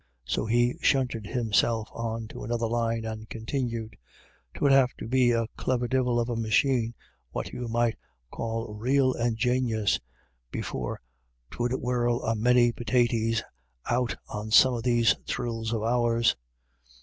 So he shunted himself on \ to another line and continued :" 'T would have to be a cliver divil of a machine, what you might call rael injanious, before 'twould whirrel a many pitaties out o' some o' those dhrills of ours.